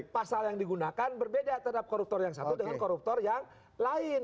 pasal yang digunakan berbeda terhadap koruptor yang satu dengan koruptor yang lain